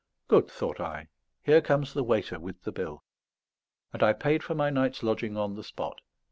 "Good," thought I; "here comes the waiter with the bill." And I paid for my night's lodging on the spot.